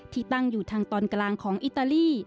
ที่ตั้งอยู่ทางตอนกลางของอิตาลี